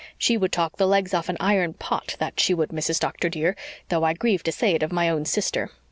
She would talk the legs off an iron pot, that she would, Mrs. Doctor, dear, though I grieve to say it of my own sister.